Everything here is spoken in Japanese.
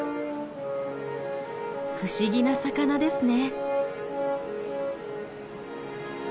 不思議な魚ですね。